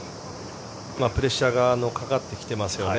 プレッシャーがかかってきてますよね。